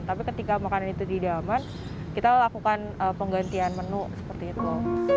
tapi ketika makanan itu tidak aman kita lakukan penggantian menu seperti itu